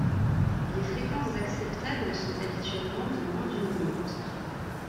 Les fréquences acceptables sont habituellement de moins d'une minute.